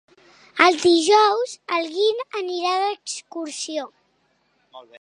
Dijous en Guim anirà d'excursió.